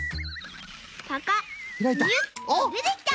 パカッニュッでてきた！